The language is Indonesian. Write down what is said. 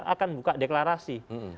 akan buka deklarasi